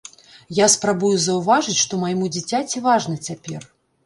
Я спрабую заўважаць, што майму дзіцяці важна цяпер.